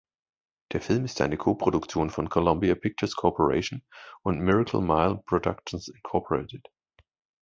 Der Film ist eine Co-Produktion von "Columbia Pictures Corporation" und "Miracle Mile Productions Inc.